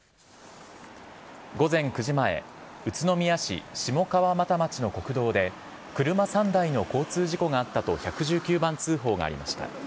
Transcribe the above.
午前９時前、宇都宮市下川俣町の国道で、車３台の交通事故があったと１１９番通報がありました。